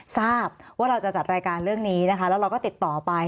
ทราบว่าเราจะจัดรายการเรื่องนี้นะคะแล้วเราก็ติดต่อไป